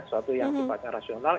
suatu yang sepatutnya rasional